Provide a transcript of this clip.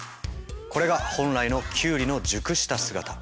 これが本来のキュウリの熟した姿。